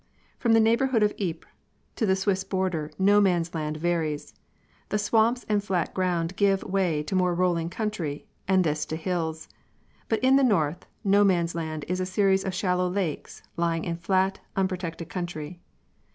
From the neighbourhood of Ypres to the Swiss border No Man's Land varies. The swamps and flat ground give way to more rolling country, and this to hills. But in the north No Man's Land is a series of shallow lakes, lying in flat, unprotected country.